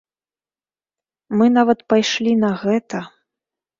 Мы нават пайшлі на гэта.